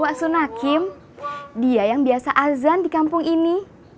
waksuna kim dia yang biasa azan di kampung ini